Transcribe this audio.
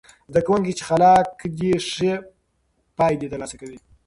زده کوونکي چې خلاق دي، ښه پایلې ترلاسه کوي.